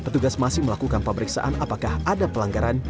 petugas masih melakukan pemeriksaan apakah ada pelanggaran